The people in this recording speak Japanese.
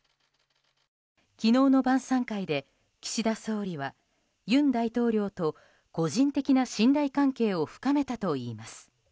昨日の晩さん会で岸田総理は、尹大統領と個人的な信頼関係を深めたといいます。